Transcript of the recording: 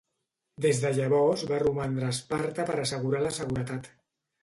Des de llavors va romandre a Esparta per assegurar la seguretat.